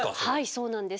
そうなんです。